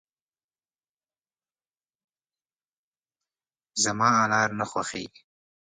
زما انار نه خوښېږي .